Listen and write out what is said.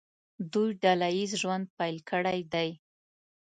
دوی ډله ییز ژوند پیل کړی دی.